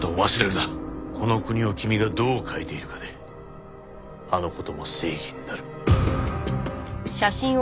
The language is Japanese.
この国を君がどう変えているかであの事も正義になる。